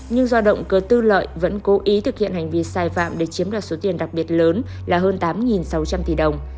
nhưng do động cơ tư lợi vẫn cố ý thực hiện hành vi sai phạm để chiếm đoạt số tiền đặc biệt lớn là hơn tám sáu trăm linh tỷ đồng